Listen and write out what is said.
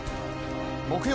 木曜。